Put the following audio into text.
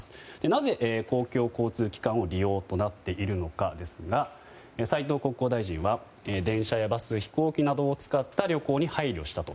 なぜ、公共交通機関を利用となっているのかですが斉藤国交大臣は電車やバス飛行機などを使った旅行に配慮したと。